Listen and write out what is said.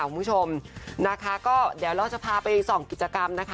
คุณผู้ชมนะคะก็เดี๋ยวเราจะพาไปส่องกิจกรรมนะคะ